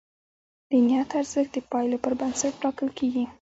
د نیت ارزښت د پایلو پر بنسټ ټاکل کېږي.